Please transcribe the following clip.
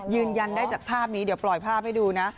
ยืนยันได้จากภาพนี้เดี๋ยวปล่อยภาพให้ดูนะ